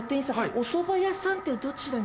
おそば屋さんってどちらに。